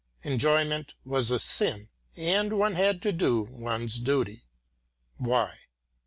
Enjoyment was a sin, and one had to do one's duty. Why?